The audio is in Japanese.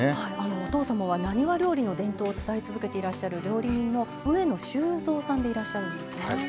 お父様は浪速料理の伝統を伝え続けていらっしゃる料理人の上野修三さんでいらっしゃるんですね。